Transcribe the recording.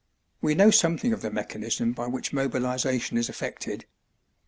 We know something of the mechanism by which mobilisation is effected.